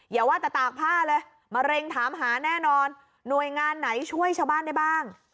อย่าว่าแต่ตากผ้าเลยมะเร็งถามหาแน่นอนหน่วยงานไหนช่วยชาวบ้านได้บ้าง